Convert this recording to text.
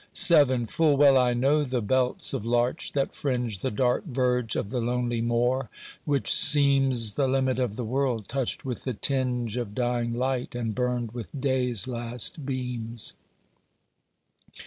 VII Full well I know the belts of larch that fringe The dark verge of the lonely moor, which seems The limit of the world, touched with the tinge Of dying light, and burned with day's last beams.